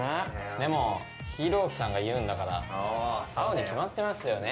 でも英雄希さんが言うんだから合うに決まってますよね。